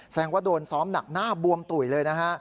แสดงว่าโดนซ้อมหนักหน้าบวมตุ๋ยเลยนะฮะ